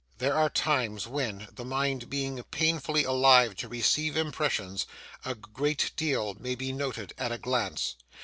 There are times when, the mind being painfully alive to receive impressions, a great deal may be noted at a glance.